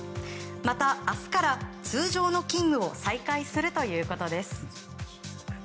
また明日から、通常の勤務を再開するということです。